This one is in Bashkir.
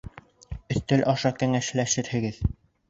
Өҫтәл аша кәңәшләшерһегеҙ.